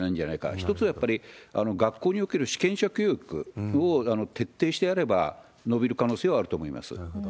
一つはやっぱり、学校における主権者教育を徹底してやれば、伸びる可能性はあるとなるほど。